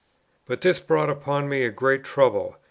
But this brought upon me a great trouble.